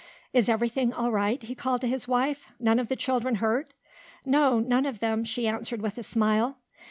"Is everything all right?" he called to his wife. "None of the children hurt?" "No, none of them," she answered with a smile.